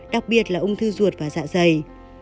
đặc biệt là ung thư ruột và dạ dày